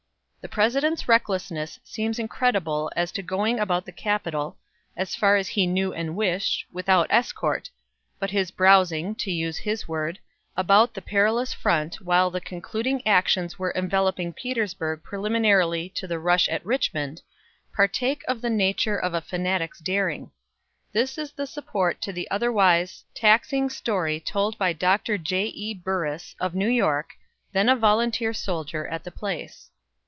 The President's recklessness seems incredible as to going about the capital, as far as he knew and wished, without escort, but his "browsing," to use his word, about the perilous front while the concluding actions were enveloping Petersburg preliminarily to the rush at Richmond, partake of the nature of a fanatic's daring. This is the support to the otherwise taxing story told by Doctor J. E. Burriss, of New York, then a volunteer soldier at the place.